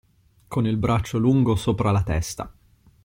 Con il braccio lungo sopra la testa.